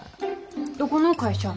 どこの会社？